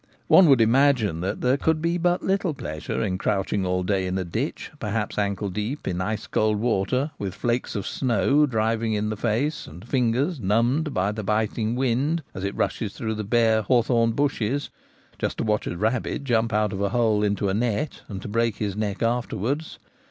One would imagine that there could be but little pleasure in crouching all day in a ditch, perhaps ankle deep in ice cold water, with flakes of snow driving in the face, and fingers numbed by the biting wind as it rushes through the bare hawthorn bushes, just to watch a rabbit jump out of a hole into a net, and to break his neck afterwards.